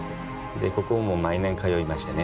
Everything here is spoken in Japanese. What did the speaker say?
ここをもう毎年通いましてね。